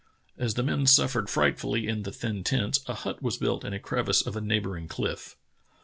As the men suffered frightfully in the thin tents, a hut was built in a crevice of a neighboring cliff.